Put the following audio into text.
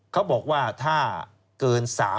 เขาบอกว่าถ้าเกิน๓๐๐